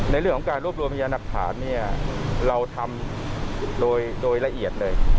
ในเรื่องของการรวบรวมพยานหลักฐานเนี่ยเราทำโดยละเอียดเลย